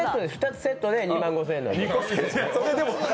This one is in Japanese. ２つセットで２万５０００円です。